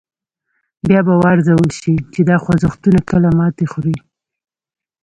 بیا به و ارزول شي چې دا خوځښتونه کله ماتې خوري.